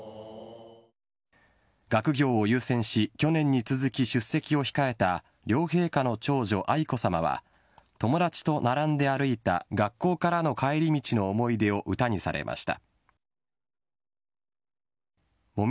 学業を優先し去年に続き出席を控えた両陛下の長女・愛子さまは友達と並んで歩いた学校からの帰り道の思い出を歌にされました。